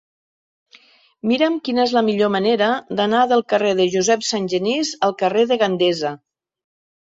Mira'm quina és la millor manera d'anar del carrer de Josep Sangenís al carrer de Gandesa.